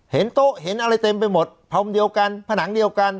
เห็นโต๊ะเห็นอะไรเต็มไปหมดพรมเดียวกันผนังเดียวกัน